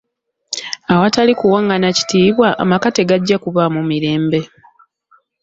"Awatali kuwangana kitiibwa, amaka tegajja kubaamu mirembe."